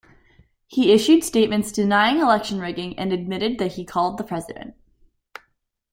He issued statements denying election rigging and admitted that he called the President.